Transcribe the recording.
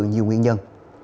nhiều nguyên nhân